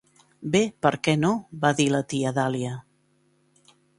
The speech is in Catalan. "Bé, per què no?" va dir la tia Dahlia.